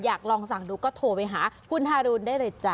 อยากลองสั่งดูก็โทรไปหาคุณทารุนได้เลยจ้